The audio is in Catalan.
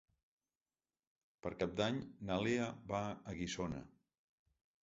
Per Cap d'Any na Lea va a Guissona.